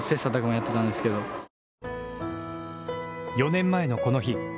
４年前の、この日。